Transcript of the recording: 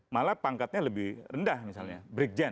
malah pangkatnya lebih rendah misalnya brigjen